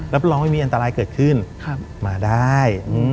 รับรองไม่มีอันตรายเกิดขึ้นมาได้